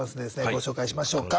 ご紹介しましょうか。